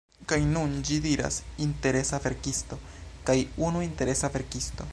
Kaj nun ĝi diras "interesa verkisto" kaj "unu interesa verkisto"